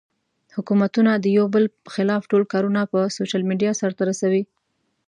حکومتونه د يو بل خلاف ټول کارونه پۀ سوشل ميډيا سر ته رسوي